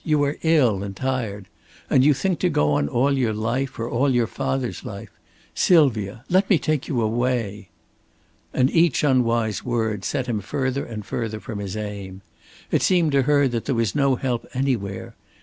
You are ill, and tired. And you think to go on all your life or all your father's life. Sylvia, let me take you away!" And each unwise word set him further and further from his aim. It seemed to her that there was no help anywhere.